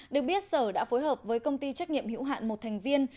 được biết sở đã phối hợp với công ty trách nhiệm hữu hạn một thành viên